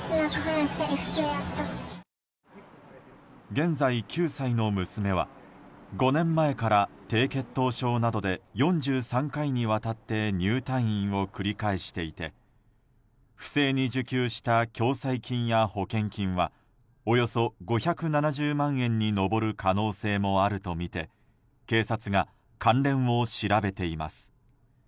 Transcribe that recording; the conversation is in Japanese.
現在９歳の娘は５年前から低血糖症などで４３回にわたって入退院を繰り返していて不正に受給した共済金や保険金はおよそ５７０万円に上る可能性もあるとみて警察が関連を調べています。